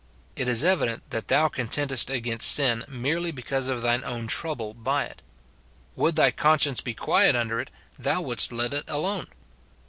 It is evi dent that thou contendest against sin merely because of thy own trouhle by it. Would thy conscience be quiet under it, thou wouldst let it alone.